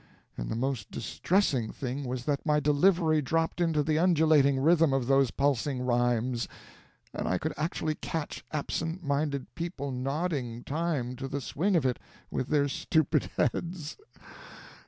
And the most distressing thing was that my delivery dropped into the undulating rhythm of those pulsing rhymes, and I could actually catch absent minded people nodding time to the swing of it with their stupid heads.